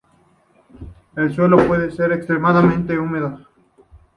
El suelo puede ser extremadamente húmedo.